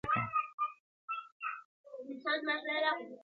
د ځنګله په پاچهي کي هر څه کېږي--!